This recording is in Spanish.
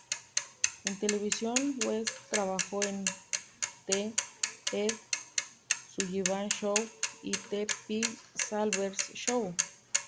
En televisión West trabajó en "The Ed Sullivan Show" y "The Phil Silvers Show".